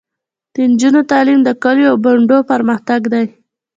د نجونو تعلیم د کلیو او بانډو پرمختګ دی.